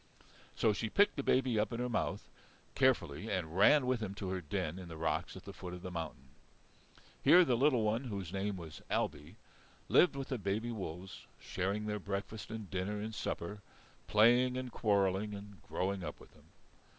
So she picked the baby up in her mouth carefully and ran with him to her den in the rocks at the foot of the mountain. Here the little one, whose name was Ailbe, lived with the baby wolves sharing their breakfast and dinner and supper, playing and quarrelling and growing up with them.